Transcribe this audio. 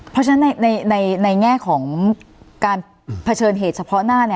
เพราะฉะนั้นในแง่ของการเผชิญเหตุเฉพาะหน้า